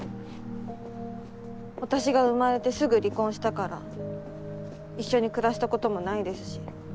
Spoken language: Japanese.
私が生まれてすぐ離婚したから一緒に暮らしたこともないですし。